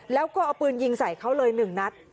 แล้วก็เอาปืนยิงใส่เขาเลย๑นัด